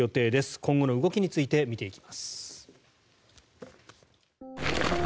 今後の動きについて見ていきます。